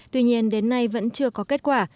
tuy nhiên đến nay vẫn chưa có kết quả